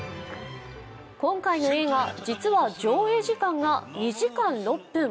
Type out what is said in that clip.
今回の映画、実は上映時間が２時間６分。